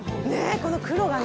この黒がね。